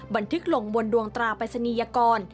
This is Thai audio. บันทึกลงบนดวงตราปริศนียกร